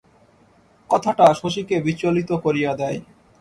কথাটা শশীকে বিচলিত করিয়া দেয়।